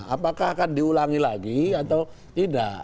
apakah akan diulangi lagi atau tidak